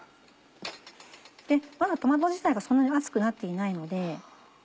まだトマト自体がそんなに熱くなっていないので。